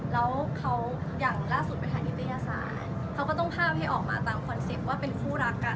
แล้วเขาอย่างล่าสุดไปทางนิตยศาสตร์เขาก็ต้องภาพให้ออกมาตามคอนเซ็ปต์ว่าเป็นคู่รักกัน